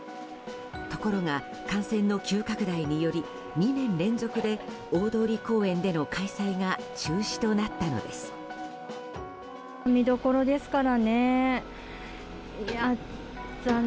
ところが感染の急拡大により２年連続で大通公園での開催が中止となったのです。